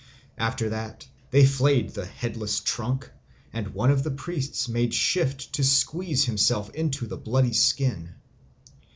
After that they flayed the headless trunk, and one of the priests made shift to squeeze himself into the bloody skin.